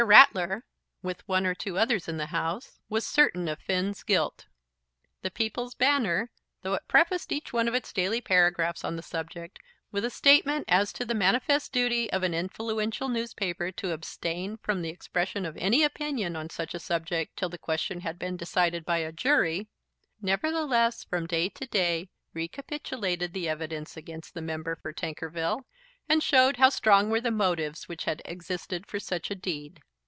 Ratler, with one or two others in the House, was certain of Finn's guilt. The People's Banner, though it prefaced each one of its daily paragraphs on the subject with a statement as to the manifest duty of an influential newspaper to abstain from the expression of any opinion on such a subject till the question had been decided by a jury, nevertheless from day to day recapitulated the evidence against the Member for Tankerville, and showed how strong were the motives which had existed for such a deed.